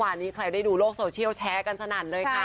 วันนี้ใครได้ดูโลกโซเชียลแชร์กันสนั่นเลยค่ะ